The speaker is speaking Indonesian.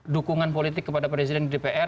dukungan politik kepada presiden di dpr